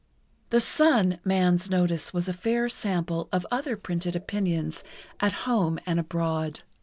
The Sun man's notice was a fair sample of other printed opinions at home and abroad.